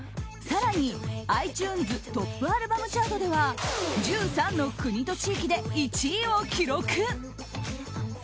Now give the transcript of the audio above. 更に、ｉＴｕｎｅｓトップアルバムチャートでは１３の国と地域で１位を記録。